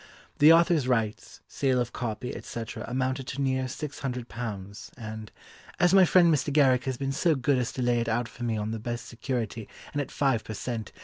The author's rights, sale of copy, etc., amounted to near six hundred pounds, and "as my friend Mr. Garrick has been so good as to lay it out for me on the best security and at five per cent.